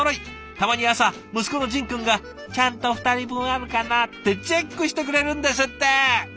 たまに朝息子の仁君が「ちゃんと２人分あるかな？」ってチェックしてくれるんですって！